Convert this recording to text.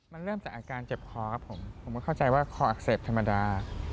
มันเริ่มจากอาการเจ็บคอครับผมผมก็เข้าใจว่าคออักเสบธรรมดา